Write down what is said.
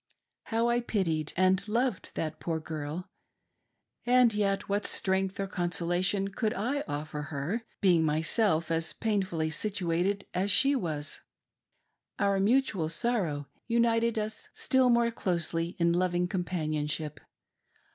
How I pitied and loved that poor girl! — and yet what strength or consolation could I offer her, being myself as painfully situated as 'she was. Our mutual sorrow united us still more closely in loving companionship.